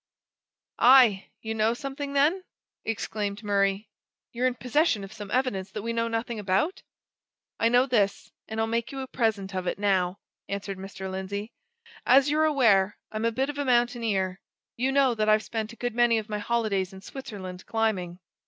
"Aye! you know something, then?" exclaimed Murray. "You're in possession of some evidence that we know nothing about?" "I know this and I'll make you a present of it, now," answered Mr. Lindsey. "As you're aware, I'm a bit of a mountaineer you know that I've spent a good many of my holidays in Switzerland, climbing.